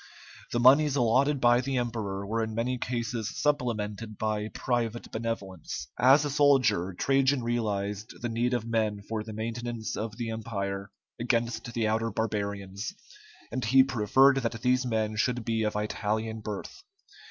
The moneys allotted by the emperor were in many cases supplemented by private benevolence. As a soldier, Trajan realized the need of men for the maintenance of the Empire against the outer barbarians, and he preferred that these men should be of Italian birth.